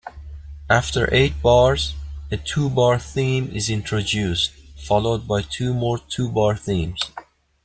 After eight bars, a two-bar theme is introduced, followed by two more two-bar themes.